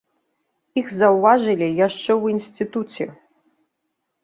Іх заўважылі яшчэ ў інстытуце.